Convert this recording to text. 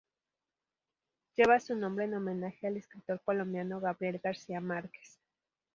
Lleva su nombre en homenaje al escritor colombiano Gabriel García Márquez.